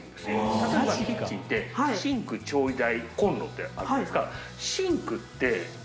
例えばキッチンってシンク調理台コンロってあるじゃないですか。